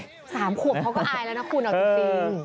๓ขวบเขาก็อายแล้วนะคุณเอาจริง